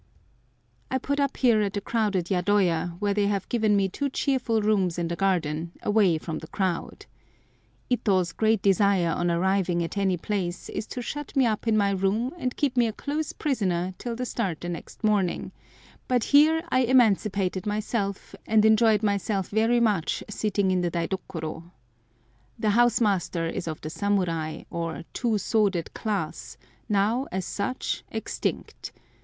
I put up here at a crowded yadoya, where they have given me two cheerful rooms in the garden, away from the crowd. Ito's great desire on arriving at any place is to shut me up in my room and keep me a close prisoner till the start the next morning; but here I emancipated myself, and enjoyed myself very much sitting in the daidokoro. The house master is of the samurai, or two sworded class, now, as such, extinct.